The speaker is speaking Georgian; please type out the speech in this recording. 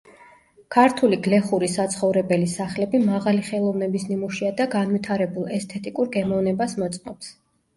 ქართული გლეხური საცხოვრებელი სახლები მაღალი ხელოვნების ნიმუშია და განვითარებულ ესთეტიკურ გემოვნებას მოწმობს.